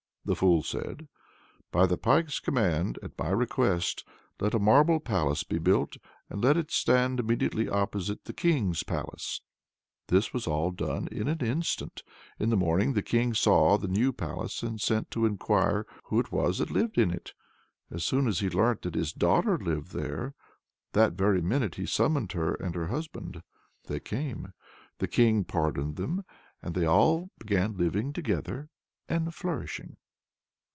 The fool said: "By the Pike's command, at my request, let a marble palace be built, and let it stand immediately opposite the King's palace!" This was all done in an instant. In the morning the King saw the new palace, and sent to enquire who it was that lived in it. As soon as he learnt that his daughter lived there, that very minute he summoned her and her husband. They came. The King pardoned them, and they all began living together and flourishing.